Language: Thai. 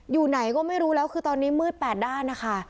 อยู่ไหนก็ไม่รู้แล้วคือตอนนี้มืด๘ด้านนะคะ